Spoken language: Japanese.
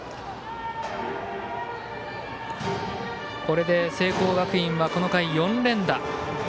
これで、聖光学院はこの回４連打。